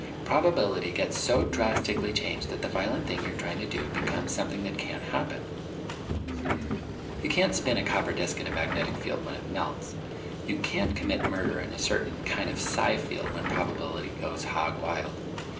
Probability gets so drastically changed that the violent thing you're trying to do becomes something that can't happen. Hm m m. ... You can't spin a copper disk in a magnetic field when it melts. You can't commit a murder in a certain kind of psi field when probability goes hog wild.